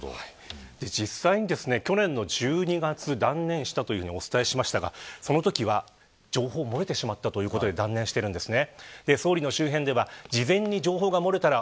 実際に去年の１２月に断念したというふうにお伝えしましたがそのときは情報が漏れてしまったということで断念しているんですね。